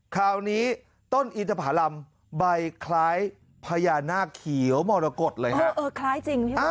คราวนี้ต้นอินทธาผลำใบคล้ายพญานาคียวมลกฏเลยฮะ